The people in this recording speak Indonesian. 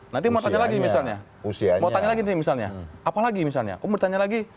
nanti mau tanya lagi misalnya mau tanya lagi nih misalnya apalagi misalnya kamu bertanya lagi